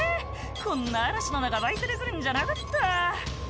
「こんな嵐の中バイクで来るんじゃなかった」